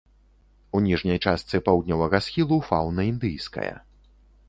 У ніжняй частцы паўднёвага схілу фаўна індыйская.